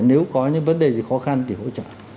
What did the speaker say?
nếu có những vấn đề gì khó khăn thì hỗ trợ